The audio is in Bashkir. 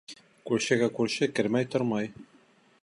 Күршегә күрше кермәй тормай.